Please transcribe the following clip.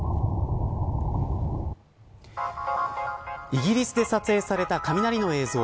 イギリスで撮影された雷の映像。